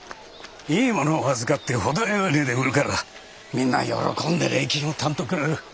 いいものを預かって程のよい値で売るからみんな喜んで礼金をたんとくれる。